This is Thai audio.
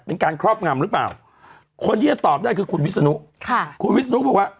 ครอบงำหรือเปล่าคนที่จะตอบได้คือคุณวิศนุค่ะคุณวิศนุบอกว่า